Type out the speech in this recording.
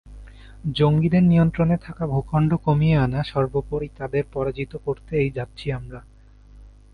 জঙ্গিদের নিয়ন্ত্রণে থাকা ভূখণ্ড কমিয়ে আনা সর্বোপরি তাদের পরাজিত করতেই যাচ্ছি আমরা।